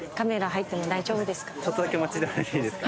・ちょっとだけお待ちいただいていいですか？